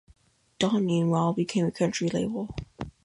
Dot meanwhile became a country label.